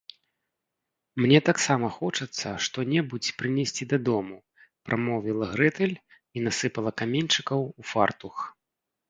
- Мне таксама хочацца што-небудзь прынесці дадому, - прамовіла Грэтэль і насыпала каменьчыкаў у фартух